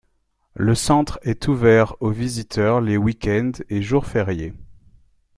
Le centre est ouvert aux visiteurs les week-ends et jours fériés.